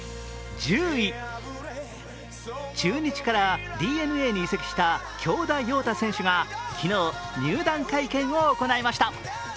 中日からＤｅＮＡに移籍した京田陽太選手が昨日、入団会見を行いました。